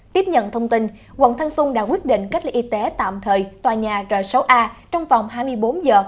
tiếp nhận thông tin quận thanh xuân đã quyết định cách ly y tế tạm thời tòa nhà r sáu a trong vòng hai mươi bốn giờ